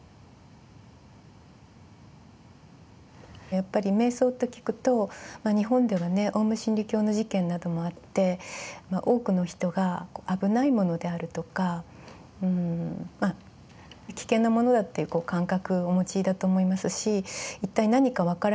やっぱり瞑想と聞くと日本ではねオウム真理教の事件などもあって多くの人が危ないものであるとかまあ危険なものだという感覚をお持ちだと思いますし一体何か分からない